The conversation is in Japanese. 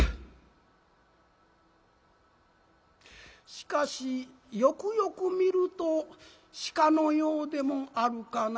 しかしよくよく見ると鹿のようでもあるかな」。